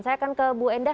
saya akan ke ibu endah